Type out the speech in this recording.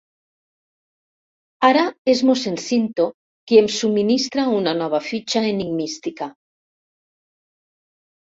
Ara és mossèn Cinto qui em subministra una nova fitxa enigmística.